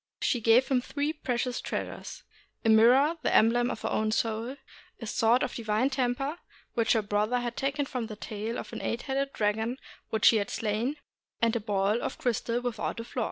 She gave him three precious treasures, — a mirror, the emblem of her own soul; a sword of divine temper, which her brother had taken from the tail of an eight headed dragon which he had slain ; and a ball of crystal without a flaw.